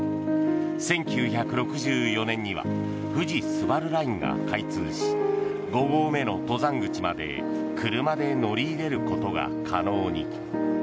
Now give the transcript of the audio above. １９６４年には富士スバルラインが開通し５合目の登山口まで車で乗り入れることが可能に。